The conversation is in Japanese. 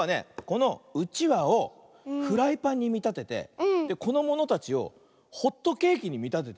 このうちわをフライパンにみたててこのものたちをホットケーキにみたててね